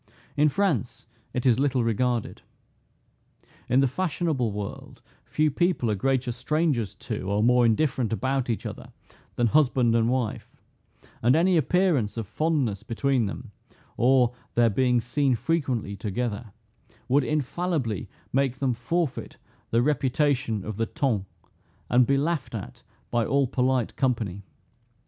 In France it is little regarded. In the fashionable world, few people are greater strangers to, or more indifferent about each other, than husband and wife; and any appearance of fondness between them, or their being seen frequently together, would infallibly make them forfeit the reputation of the ton, and be laughed at by all polite company.